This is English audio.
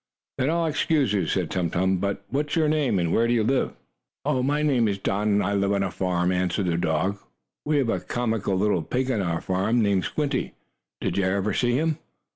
"Then I'll excuse you," spoke Tum Tum. "But what is your name, and where do you live?" "My name is Don, and I live on a farm," answered the dog. "We have a comical little pig on our farm named Squinty. Did you ever see him?"